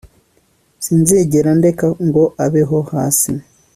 Sinzigera ndeka ngo abeho hasi